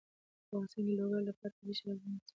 په افغانستان کې د لوگر لپاره طبیعي شرایط مناسب دي.